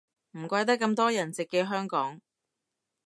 唔怪得咁多人直寄香港